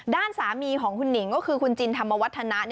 ด้านสามีของคุณหนิงก็คือคุณจินธรรมวัฒนะ